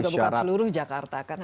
dan itu juga bukan seluruh jakarta kan